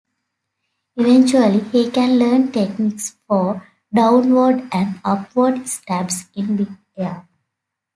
Eventually, he can learn techniques for downward and upward stabs in midair.